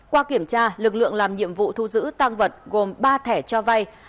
qua kiểm tra lực lượng làm nhiệm vụ thu giữ tăng vật gồm ba thẻ cho vay